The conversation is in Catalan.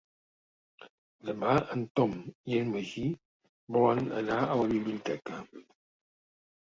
Demà en Tom i en Magí volen anar a la biblioteca.